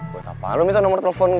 gak apa apa lu minta nomor telepon gue